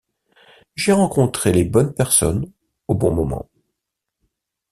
J'ai rencontré les bonnes personnes au bon moment.